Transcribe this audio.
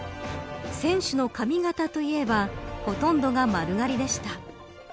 選手の髪型といえばほとんどが丸刈りでした。